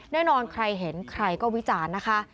แน่นอนใครเห็นใครก็วิจารณ์นะคะ